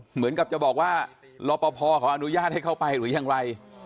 เหมือนกับจะบอกว่ารอปภเขาอนุญาตให้เข้าไปหรือยังไร